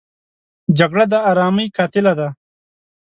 جګړه د آرامۍ قاتله ده